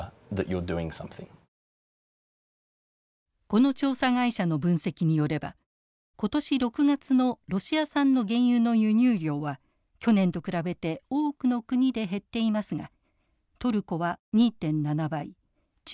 この調査会社の分析によれば今年６月のロシア産の原油の輸入量は去年と比べて多くの国で減っていますがトルコは２．７倍中国は１．５倍。